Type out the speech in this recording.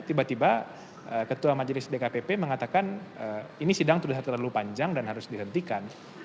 tiba tiba ketua majelis dkpp mengatakan ini sidang sudah terlalu panjang dan harus dihentikan